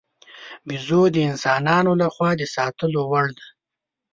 بیزو د انسانانو له خوا د ساتلو وړ دی.